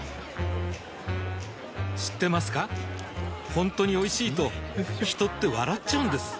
ほんとにおいしいと人って笑っちゃうんです